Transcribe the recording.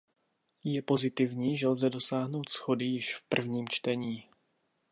Je pozitivní, že lze dosáhnout shody již v prvním čtení.